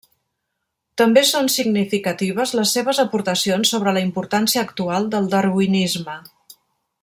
També són significatives les seves aportacions sobre la importància actual del darwinisme.